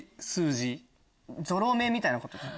ゾロ目みたいなことですか。